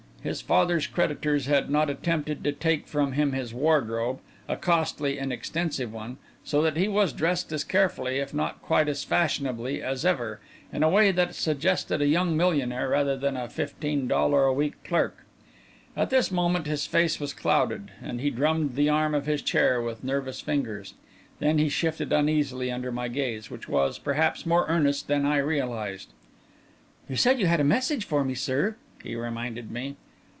His father's creditors had not attempted to take from him his wardrobe a costly and extensive one so that he was dressed as carefully, if not quite as fashionably, as ever, in a way that suggested a young millionaire, rather than a fifteen dollar a week clerk. At this moment, his face was clouded, and he drummed the arm of his chair with nervous fingers. Then he shifted uneasily under my gaze, which was, perhaps, more earnest than I realised. "You said you had a message for me, sir," he reminded me.